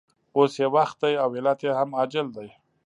اوس یې وخت دی او علت یې هم عاجل دی